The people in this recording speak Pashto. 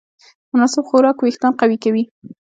مناسب خوراک وېښتيان قوي کوي.